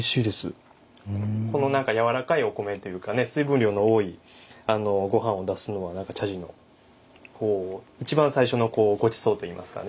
この何か柔らかいお米というかね水分量の多いご飯を出すのは茶事の一番最初のごちそうといいますかね。